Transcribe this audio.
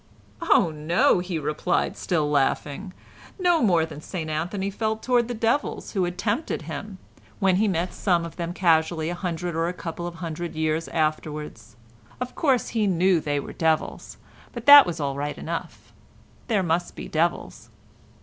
"Oh, no," he replied, still laughing, "no more than St Anthony felt towards the devils who had tempted him, when he met some of them casually a hundred or a couple of hundred years afterwards. Of course he knew they were devils, but that was all right enough; there must be devils.